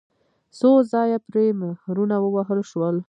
څو ځایه پرې مهرونه ووهل شول.